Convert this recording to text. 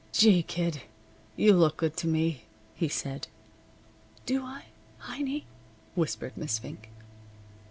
"Gee, Kid! You look good to me," he said. "Do I Heiny?" whispered Miss Fink.